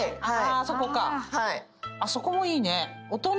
あそこもいいね。